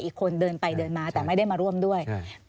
อีกคนเดินไปเดินมาแต่ไม่ได้มาร่วมด้วย